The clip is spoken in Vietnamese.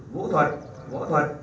vũ thuật võ thuật